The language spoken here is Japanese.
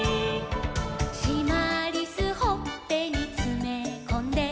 「しまりすほっぺにつめこんで」